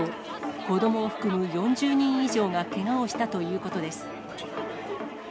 子どもを含む４０人以上がけがをしたということです。